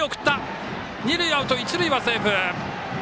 二塁はアウト、一塁はセーフ！